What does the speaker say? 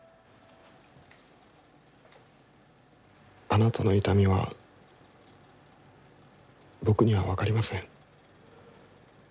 あなたの痛みは僕には分かりません。